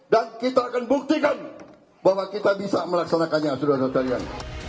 dan kita akan buktikan bahwa kita bisa melaksanakannya saudara saudara sekalian